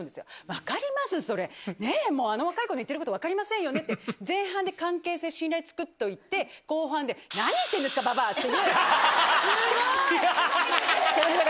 分かります、それ、ねえ、もう、あの若い子の言ってること、分かりませんよねって、前半で関係性、信頼作っておいて、後半で、何言ってるんですか、ばばあって。